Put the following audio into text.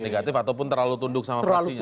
negatif ataupun terlalu tunduk sama fraksinya